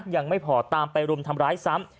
ยังไม่พอตามไปรุมทำร้ายซ้ำ